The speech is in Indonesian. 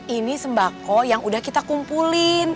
ini sembako yang udah kita kumpulin